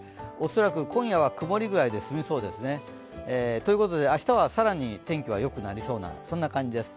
恐らく今夜は曇りぐらいで済みそうですね。ということで、明日は更に天気はよくなりそうな感じです。